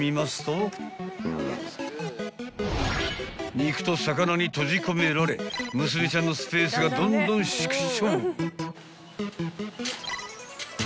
［肉と魚に閉じ込められ娘ちゃんのスペースがどんどん縮小］